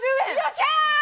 よっしゃー！